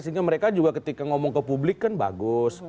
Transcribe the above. sehingga mereka juga ketika ngomong ke publik kan bagus